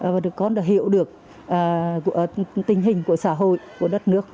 và được con đã hiểu được tình hình của xã hội của đất nước